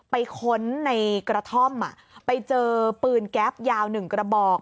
ค้นในกระท่อมไปเจอปืนแก๊ปยาว๑กระบอก